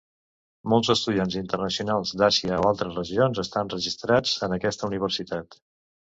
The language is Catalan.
Molts estudiants internacionals d'Àsia o altres regions estan registrats en aquesta universitat.